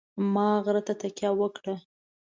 ما غره ته تکیه وکړه.